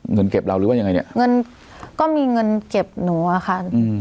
เงินเก็บเราหรือว่ายังไงเนี่ยเงินก็มีเงินเก็บหนูอะค่ะอืม